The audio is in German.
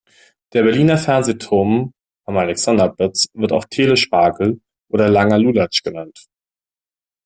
Der Berliner Fernsehturm am Alexanderplatz wird auch Telespagel oder langer Lulatsch genannt.